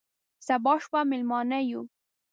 سبا شپه مېلمانه یو،